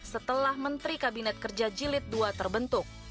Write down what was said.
setelah menteri kabinet kerja jilid ii terbentuk